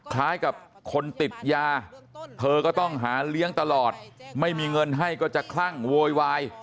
คล้ายกับคนติดยาเธอก็ต้องหาเลี้ยงตลอดไม่มีเงินให้ก็จะคลั่งโวยวาย